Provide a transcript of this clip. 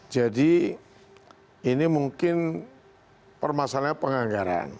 jadi ini mungkin permasalahan penganggaran